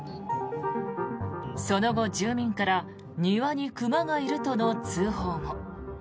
その後、住民から庭に熊がいるとの通報も。